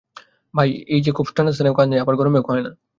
ভাব এই যে, খুব ঠাণ্ডাস্থানেও কাজ নাই, আবার গরমও হয় না।